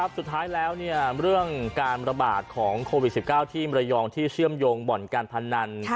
สุดท้ายแล้วเรื่องการระบาดของโควิด๑๙ที่มรยองที่เชื่อมโยงบ่อนการพนัน